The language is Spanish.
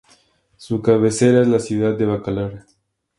Su cabecera es la ciudad de Bacalar.